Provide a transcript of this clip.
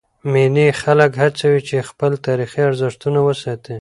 مېلې خلک هڅوي، چي خپل تاریخي ارزښتونه وساتي.